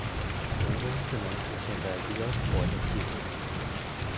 人工智能是现在比较火的技术。